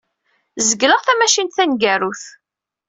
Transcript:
Zegleɣ tamacint taneggarut.